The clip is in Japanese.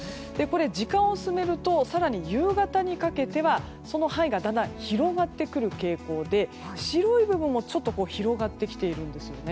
時間を進めると更に夕方にかけてはその範囲がだんだん広がってくる傾向で白い部分も広がってきているんですよね。